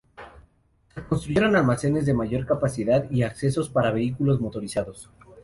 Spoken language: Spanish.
Se construyeron almacenes de mayor capacidad y accesos para vehículos motorizados.